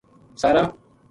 ساراں